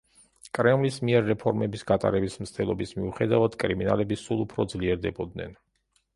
კრემლის მიერ რეფორმების გატარების მცდელობის მიუხედავად, კრიმინალები სულ უფრო ძლიერდებოდნენ.